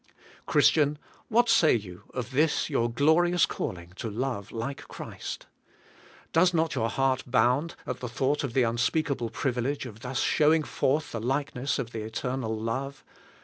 Christian ! what say you of this your glorious call ing to love like Christ? Does not your heart bound at the thought of the unspeakable privilege of thus showing forth the likeness of the Eternal Love?